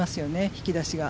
引き出しが。